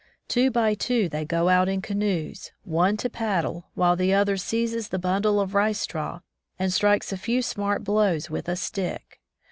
Two by two they go out in canoes, one to paddle, while the other seizes the bundle of rice straw and strikes a few smart blows with a stick.